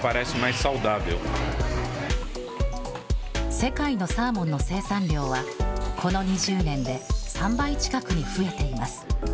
世界のサーモンの生産量は、この２０年で３倍近くに増えています。